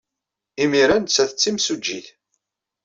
Imir-a, nettat d timsujjit.